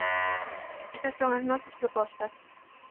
Esas son as nosas propostas.